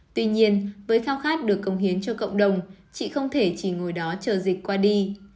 tuy nhiên với khao khát được công hiến cho cộng đồng chị không thể chỉ ngồi đó chờ dịch qua đi